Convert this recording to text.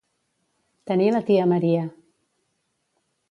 Tenir la tia Maria.